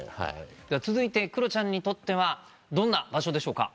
続いてクロちゃんにとってはどんな場所でしょうか？